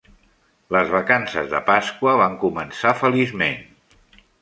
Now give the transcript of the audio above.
Les vacances de Pasqua van començar feliçment.